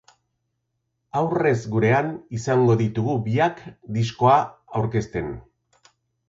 Aurrez gurean izango ditugu biak diskoa aurkezten.